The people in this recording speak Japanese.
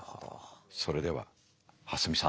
それでは蓮見さん。